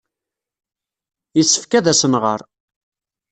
Yessefk ad asen-nɣer.